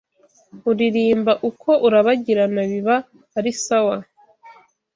uririmba uko urabagirana biba ari sawa